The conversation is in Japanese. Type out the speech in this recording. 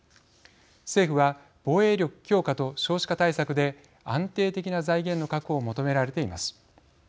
政府は防衛力強化と少子化対策で安定的な財源の確保を求められています。